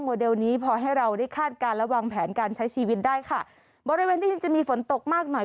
เดลนี้พอให้เราได้คาดการณ์และวางแผนการใช้ชีวิตได้ค่ะบริเวณที่จะมีฝนตกมากหน่อย